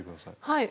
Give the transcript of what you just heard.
はい。